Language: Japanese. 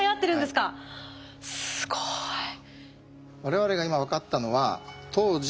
すごい。